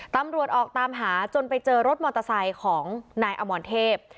ตำรวจออกตามหาจนไปเจอรถมอเตอร์ไซค์ของนายอมรเทพ